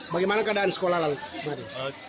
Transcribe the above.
bagaimana keadaan sekolah lalu